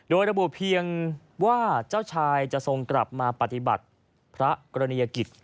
โดยระบุเพียงว่าเจ้าชายจะทรงกลับมาปฏิบัติพระกรณียกิจ